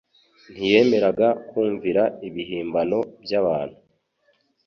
ntiyemeraga kumvira ibihimbano by'abantu.